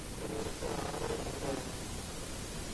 有着一副娃娃脸的已婚者。